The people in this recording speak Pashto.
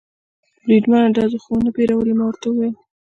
بریدمنه، ډزو خو و نه بیرولې؟ ما ورته وویل.